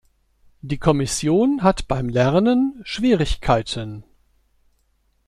Die Kommission hat beim Lernen Schwierigkeiten.